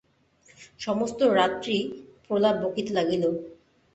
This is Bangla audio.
সমস্ত রাত্রি প্রলাপ বকিতে লাগিল।